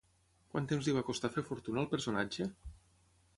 Quant temps li va costar fer fortuna al personatge?